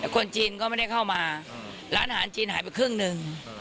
คนจีนก็ไม่ได้เข้ามาร้านอาหารจีนหายไปครึ่งหนึ่ง